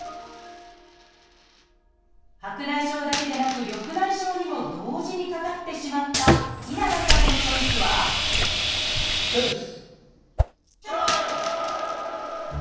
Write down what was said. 白内障だけでなく緑内障にも同時にかかってしまった稲葉さんのチョイスはチョイス！